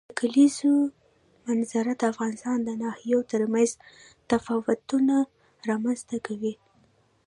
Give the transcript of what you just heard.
د کلیزو منظره د افغانستان د ناحیو ترمنځ تفاوتونه رامنځ ته کوي.